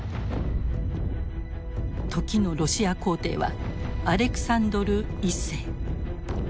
時のロシア皇帝はアレクサンドル１世。